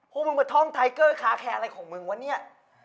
พวกมึงมาท่องไทเกอร์คาแคร์อะไรของมึงวะเนี่ย